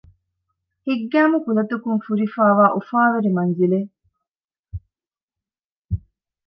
ހިތްގައިމު ކުލަތަކުން ފުރިފައިވާ އުފާވެރި މަންޒިލެއް